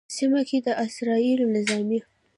سیمه کې د اسرائیلو نظامي